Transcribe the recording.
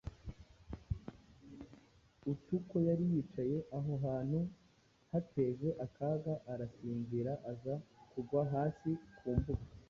Utuko yari yicaye aho hantu hateje akaga arasinzira aza kugwa hasi ku mbuga.